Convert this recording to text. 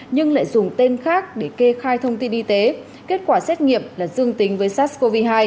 nhưng lại dùng tên khác để kê khai thông tin y tế kết quả xét nghiệm là dương tính với sars cov hai